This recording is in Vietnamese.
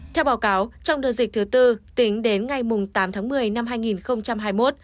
theo báo cáo trong đợt dịch thứ tư tính đến ngày tám tháng một mươi năm hai nghìn hai mươi một